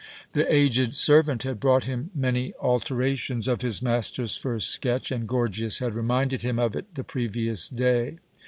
The aged servant had brought him many alterations of his master's first sketch, and Gorgias had reminded him of it the previous day.